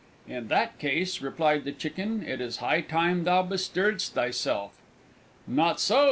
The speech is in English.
"In that case," replied the Chicken, "it is high time thou bestirredst thyself!" "Not so!"